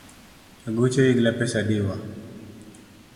Aguch oyigla pesa adiwa.